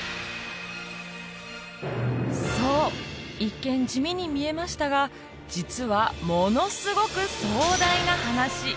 そう一見地味に見えましたが実はものすごく壮大な話！